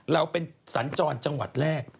เราเป็นสัญจรจังหวัดแรก